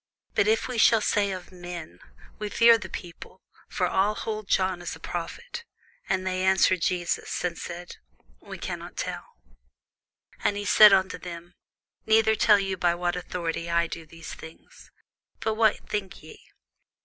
But if we shall say, Of men; we fear the people; for all hold John as a prophet. And they answered Jesus, and said, We cannot tell. And he said unto them, Neither tell I you by what authority I do these things. But what think ye?